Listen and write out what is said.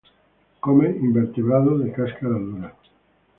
Come invertebrados de cáscara dura.